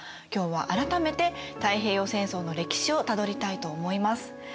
今日は改めて太平洋戦争の歴史をたどりたいと思います。